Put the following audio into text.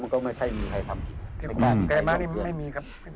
มันก็ไม่ใช่มีใครทำผิดนะครับใครบ้างนี้มันไม่มีครับ